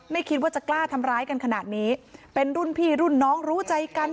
ไม่คิดว่าจะกล้าทำร้ายกันขนาดนี้เป็นรุ่นพี่รุ่นน้องรู้ใจกัน